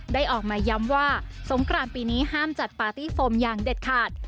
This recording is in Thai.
ได้ออกมาย้ำว่าสงครานปีนี้ห้ามจัดปาร์ตี้โฟมอย่างเด็ดขาด